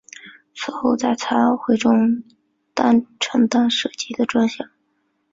此后在残奥会中承担射击的专项。